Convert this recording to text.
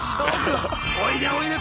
おいでおいで！